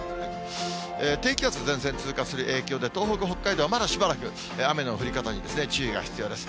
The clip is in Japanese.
低気圧、前線通過する影響で、東北、北海道はまだしばらく雨の降り方に注意が必要です。